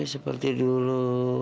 baik seperti dulu